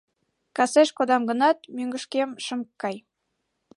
Касеш кодам гынат, мӧҥгышкем шым кай.